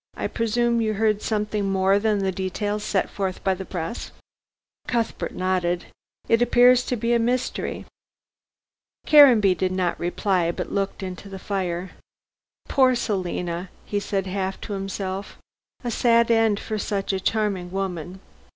I presume you heard something more than the details set forth by the press." Cuthbert nodded. "It appears to be a mystery." Caranby did not reply, but looked into the fire. "Poor Selina!" he said half to himself. "A sad end for such a charming woman."